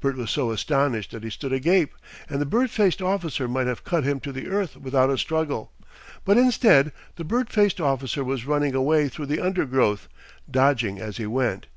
Bert was so astonished that he stood agape, and the bird faced officer might have cut him to the earth without a struggle. But instead the bird faced officer was running away through the undergrowth, dodging as he went.